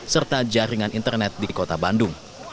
serta jaringan internet di kota bandung